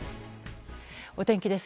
お天気です。